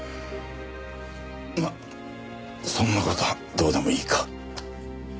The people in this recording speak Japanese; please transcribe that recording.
まっそんな事はどうでもいいか。